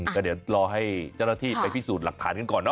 ก็เดี๋ยวรอให้เจ้าหน้าที่ไปพิสูจน์หลักฐานกันก่อนนะ